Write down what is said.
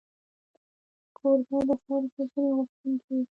کوربه د خیر ښیګڼې غوښتونکی وي.